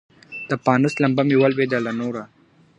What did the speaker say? د پانوس لمبه مي ولوېده له نوره .